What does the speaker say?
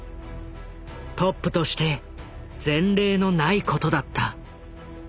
トップとして前例のないことだった。